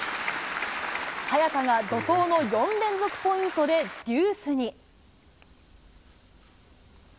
早田が怒とうの４連続ポイントでデュースに。